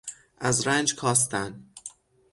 از رنج کاستن